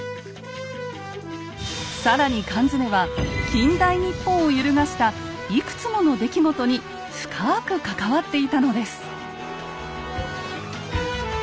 更に缶詰は近代日本を揺るがしたいくつもの出来事に深く関わっていたのです。